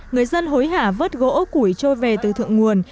người dân hối hả vớt gỗ củi trôi về từ thượng nguồn